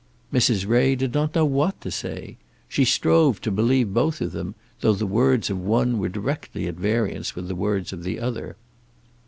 Mrs. Ray did not know what to say. She strove to believe both of them, though the words of one were directly at variance with the words of the other.